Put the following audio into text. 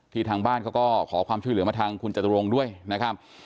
ทางบ้านเขาก็ขอความช่วยเหลือมาทางคุณจตุรงค์ด้วยนะครับ